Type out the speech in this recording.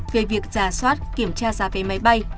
về việc giả soát kiểm tra giá vé máy bay